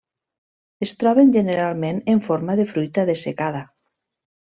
Es troben generalment en forma de fruita dessecada.